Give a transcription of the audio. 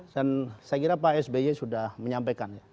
dan saya kira pak sby sudah menyampaikan ya